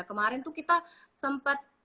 kemarin tuh kita sempat